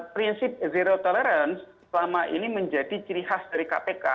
prinsip zero tolerance selama ini menjadi ciri khas dari kpk